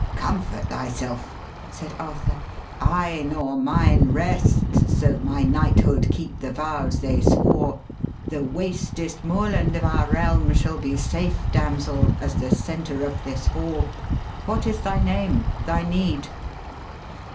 'Comfort thyself,' said Arthur, 'I nor mine Rest : so my knighthood keep the vows they swore. The wastest moorland of our realm shall be Safe, damsel, as the centre of this hall. What is thy name? thy need?'